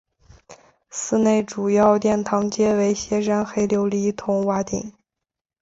寺内主要殿堂皆为歇山黑琉璃筒瓦顶。